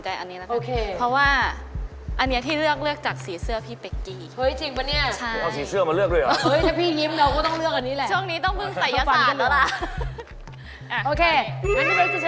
ทำตัวอะไรก็ไม่รู้พี่เบิร์งนะ